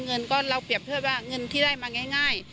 เงินก็เราเปรียบเทียบว่าเงินที่ได้มาง่าย